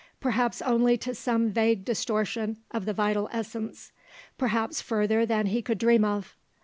Perhaps only to some vague distortion of the vital essence; perhaps further than he could dream of.